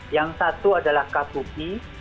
yang satu adalah kabuki